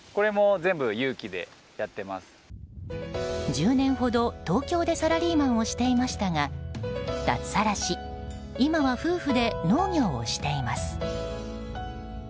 １０年ほど東京でサラリーマンをしていましたが脱サラし今は夫婦で農業をしています。